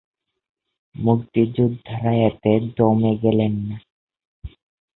মুক্তিযোদ্ধারা এতে দমে গেলেন না।